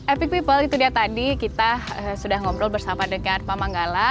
epic people itu dia tadi kita sudah ngobrol bersama dengan pak manggala